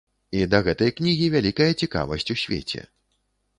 І да гэтай кнігі вялікая цікавасць у свеце.